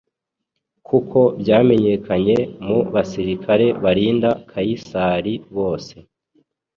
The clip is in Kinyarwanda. kuko byamenyekanye mu basirikare barinda Kayisari bose